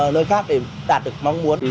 nơi khác đạt được mong muốn